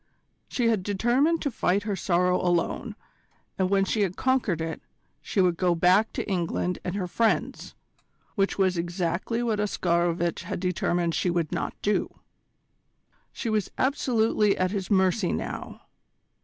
She had determined to fight her sorrow alone, and when she had conquered it, she would go back to England and her friends which was exactly what Oscarovitch had determined she should not do. She was absolutely at his mercy now.